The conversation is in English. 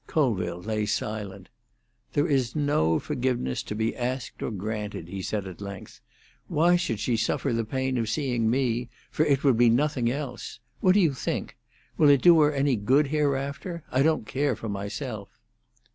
Colville lay silent. "There is no forgiveness to be asked or granted," he said, at length. "Why should she suffer the pain of seeing me?—for it would be nothing else. What do you think? Will it do her any good hereafter? I don't care for myself."